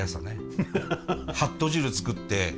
はっと汁作って。